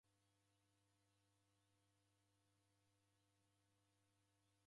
W'evikanya aho ngelo imweri.